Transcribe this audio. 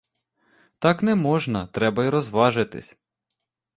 Так не можна, треба й розважитись.